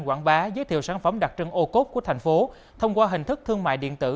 quảng bá giới thiệu sản phẩm đặc trưng ô cốt của thành phố thông qua hình thức thương mại điện tử